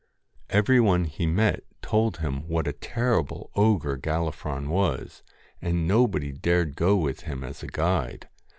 Every one he met told him what a terrible ogre Gallifron was, and nobody dared go with him as a guide.